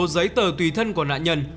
giấy tờ tùy thân của nạn nhân